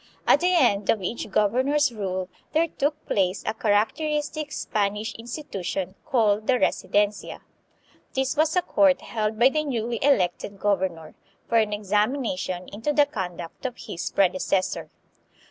At the end of each governor's rule there took place a characteristic Spanish institution, called the " Resi dencia." This was a court held by the newly elected governor, for an examination into the conduct of his predecessor.